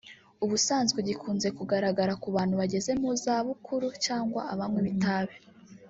ubusanzwe gikunze kugaragara ku bantu bageze mu zabukuru cyangwa abanywi b’itabi